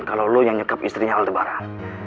kalau lo yang nyekap istrinya aldebaran